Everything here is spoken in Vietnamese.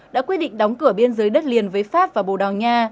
đã quyết định đóng cửa biên giới đất liền với pháp và bồ đào nha